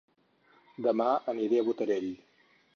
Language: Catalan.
Dema aniré a Botarell